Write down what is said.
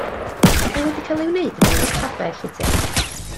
Mae wedi cael ei wneud yn ail stafell i ti.